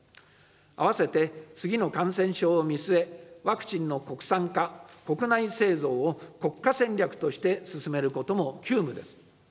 併せて、次の感染症を見据え、ワクチンの国産化、国内製造を国家戦略として進めることも急務です。